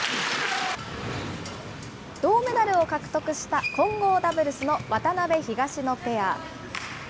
銅メダルを獲得した混合ダブルスの渡辺・東野ペア。